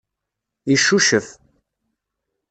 Yeccucef.